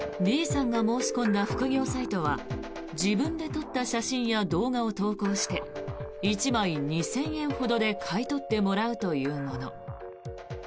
Ｂさんが申し込んだ副業サイトは自分で撮った写真や動画を投稿して１枚２０００円ほどで買い取ってもらうというもの。